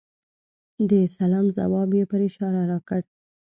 د سلام ځواب یې په اشاره راکړ .